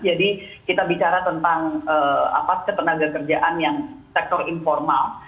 jadi kita bicara tentang ketenaga kerjaan yang sektor informal